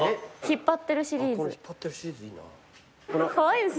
引っ張ってるシリーズいいな。